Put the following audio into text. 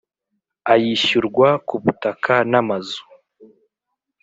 ayishyurwa ku butaka n’amazu